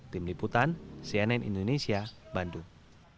tim liputan cnn indonesia bandung